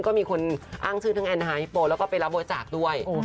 ก็มีคนอ้างชื่อถึงแอนาฮิโปะแล้วก็ไปรับบริจักษ์ด้วย